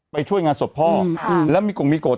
ไปช่วยงานสดพ่อแล้วมีกลุ่มมีโกรธ